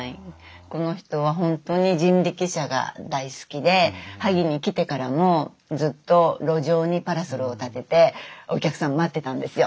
この人は本当に人力車が大好きで萩に来てからもずっと路上にパラソルを立ててお客さん待ってたんですよ。